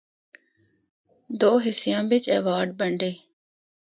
دو حصیاں بچ ایواڈ بنڈے۔